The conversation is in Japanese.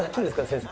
先生。